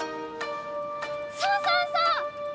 そうそうそう！